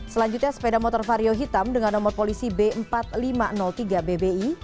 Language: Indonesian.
selanjutnya sepeda motor vario hitam dengan nomor polisi b empat ribu lima ratus tiga bbi